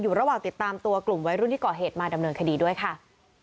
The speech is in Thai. ระหว่างติดตามตัวกลุ่มวัยรุ่นที่ก่อเหตุมาดำเนินคดีด้วยค่ะ